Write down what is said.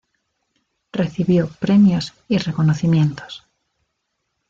Recibió premios y reconocimientos.